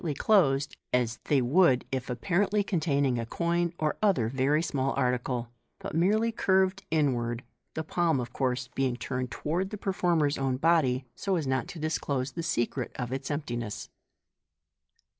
v closed, as they would if apparently containing a coin or other rery small article, but merely curved inward, the palm, of course, being turned toward the performer's own body, so as not to disclose the secret of its emptiness.